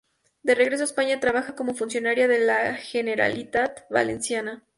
De regreso a España trabaja como funcionaria de la Generalitat Valenciana.